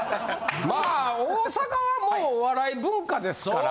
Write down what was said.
まあ大阪はもうお笑い文化ですから。